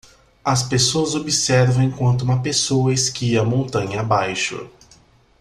As pessoas observam enquanto uma pessoa esquia montanha abaixo.